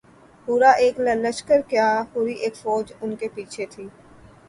پورا ایک لشکر کیا‘ پوری ایک فوج ان کے پیچھے تھی۔